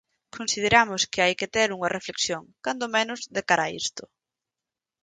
Consideramos que hai que ter unha reflexión, cando menos, de cara a isto.